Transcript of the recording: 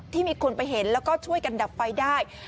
มีคนไปเห็นแล้วก็ช่วยกันดับไฟได้